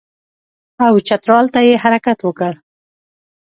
او چترال ته یې حرکت وکړ.